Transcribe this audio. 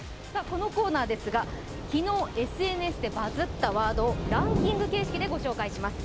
このコーナーですが、昨日、ＳＮＳでバズったワードをランキング形式でご紹介します。